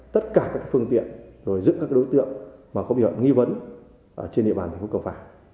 tất cả các phương tiện rồi giữ các đối tượng có biện nghi vấn trên địa bàn của cầm phà